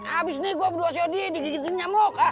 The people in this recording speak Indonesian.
abis ini gue berdua sehadi di gigitin nyamuk ah